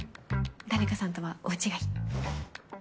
誰かさんとは大違い。